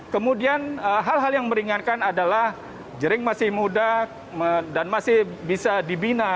kemudian hal hal yang meringankan adalah jering masih muda dan masih bisa dibina